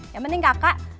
ya mending kakak